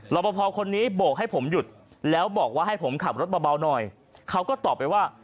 ประพอคนนี้โบกให้ผมหยุดแล้วบอกว่าให้ผมขับรถเบาหน่อยเขาก็ตอบไปว่า